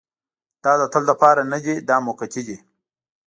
دا د تل لپاره نه دی دا موقتي دی.